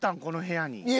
この部屋に。